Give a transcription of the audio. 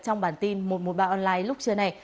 trong bản tin một trăm một mươi ba online lúc trưa này